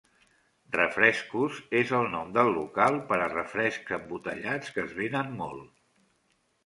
"Refrescos" és el nom del local per a refrescs embotellats, que es venen molt.